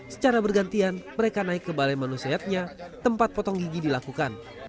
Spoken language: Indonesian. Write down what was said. secara bergantian mereka naik ke balai manusianya tempat potong gigi dilakukan